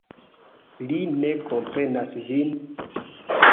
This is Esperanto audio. Li ne komprenas vin?